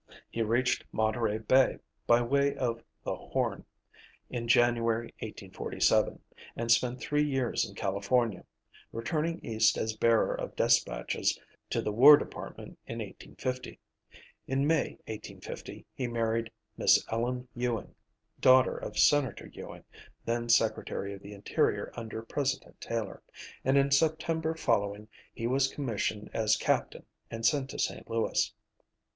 He reached Monterey Bay, by way of "the Horn," in January, 1847, and spent three years in California, returning east as bearer of despatches to the War Department in 1850. In May, 1850, he married Miss Ellen Ewing, daughter of Senator Ewing, then Secretary of the Interior under President Taylor, and in September following he was commissioned as captain and sent to St. Louis.